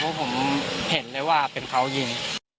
ผมเห็นเลยว่าเป็นเขายิง